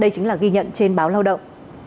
đây chính là ghi nhận trên báo lao động